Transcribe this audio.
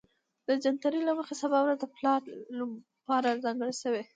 د جنتري له مخې سبا ورځ د پلار لپاره ځانګړې شوې